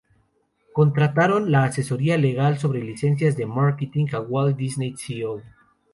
Contrataron la asesoría legal sobre licencias y márketing a la Walt Disney Co.